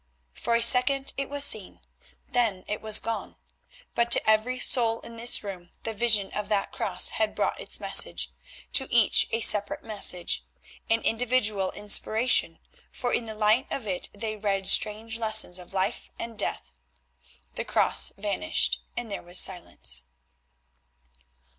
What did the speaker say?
For a second it was seen. Then it was gone, but to every soul in this room the vision of that cross had brought its message; to each a separate message, an individual inspiration, for in the light of it they read strange lessons of life and death. The cross vanished and there was silence.